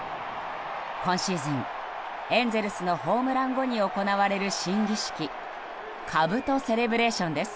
今シーズン、エンゼルスのホームラン後に行われる新儀式兜セレブレーションです。